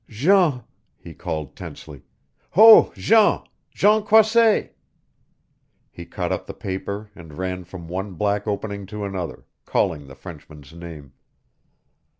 "Jean," he called tensely. "Ho, Jean Jean Croisset " He caught up the paper and ran from one black opening to another, calling the Frenchman's name.